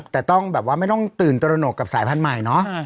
แต่ต้องแบบว่าไม่ต้องตื่นตระหนกกับสายพันธุ์ใหม่เนาะ